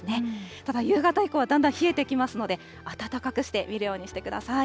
ただ夕方以降はだんだん冷えてきますので、暖かくして見るようにしてください。